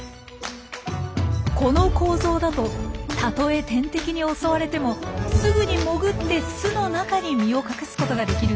この構造だとたとえ天敵に襲われてもすぐに潜って巣の中に身を隠すことができるんです。